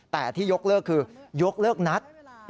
แต่ที่ยกเลิกคือยกเลิกนัด